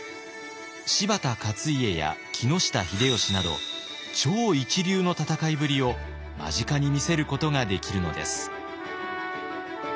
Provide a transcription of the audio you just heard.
柴田勝家や木下秀吉など超一流の戦いぶりを間近に見せることができるのです。